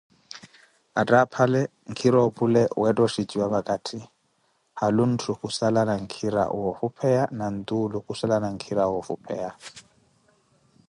Attaaphale nkhira opule weetta oxhiciwa vakatthi, haalu ntthu khusalana nkhira woofupheya na ntuulu khusalana nkhira woofupheya.